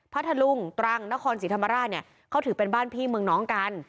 พัทธลุงตรังนครศรีธรรมราชเนี่ยเขาถือเป็นบ้านพี่เมืองน้องกัน